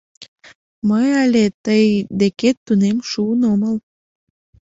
Мый але тый декет тунем шуын омыл.